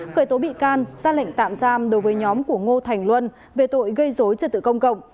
khởi tố bị can ra lệnh tạm giam đối với nhóm của ngô thành luân về tội gây dối trật tự công cộng